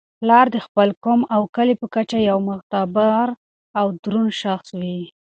پلار د خپل قوم او کلي په کچه یو معتبر او دروند شخص وي.